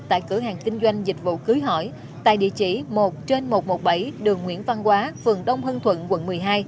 tại cửa hàng kinh doanh dịch vụ cưới hỏi tại địa chỉ một trên một trăm một mươi bảy đường nguyễn văn quá phường đông hưng thuận quận một mươi hai